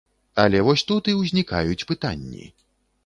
Але вось тут і ўзнікаюць пытанні.